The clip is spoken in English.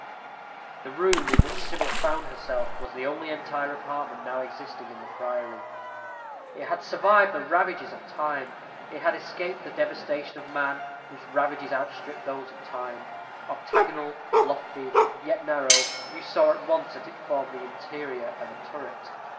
The room in which Sybil found herself was the only entire apartment now existing in the priory. It had survived the ravages of time; it had escaped the devastation of man, whose ravages outstrip those of time. Octagonal, lofty, yet narrow, you saw at once that it formed the interior of a turret.